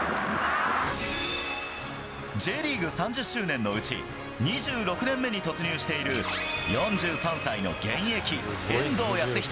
Ｊリーグ３０周年のうち、２６年目に突入している、４３歳の現役、遠藤保仁。